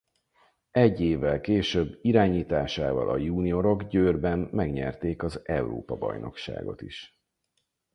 Egy évvel később irányításával a juniorok Győrben megnyerték az Európa-bajnokságot is.